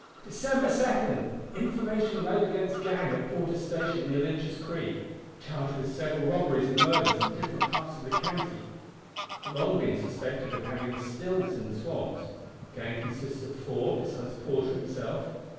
"December 2nd. Information laid against gang at Porter's Station, near Lynch's Creek. Charged with several robberies and murders in different parts of the county. Long been suspected of having stills in the swamps. Gang consists of four besides Porter himself.